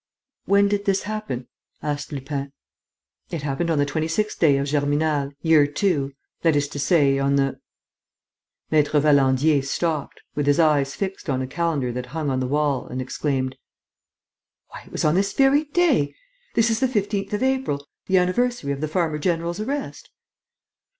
"When did this happen?" asked Lupin. "It happened on the 26th day of Germinal, Year II, that is to say, on the...." Maître Valandier stopped, with his eyes fixed on a calendar that hung on the wall, and exclaimed: "Why, it was on this very day! This is the 15th of April, the anniversary of the farmer general's arrest."